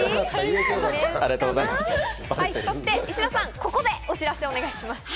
そして石田さん、ここでお知らせをお願いします。